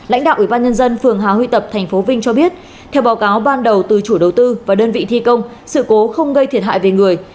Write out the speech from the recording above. lãnh đạo ủy ban nhân dân phường hà huy tập tp vinh cho biết theo báo cáo ban đầu từ chủ đầu tư và đơn vị thi công sự cố không gây thiệt hại về người